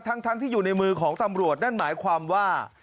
ทั้งที่อยู่ในมือของตำรวจนั่นหมายความว่า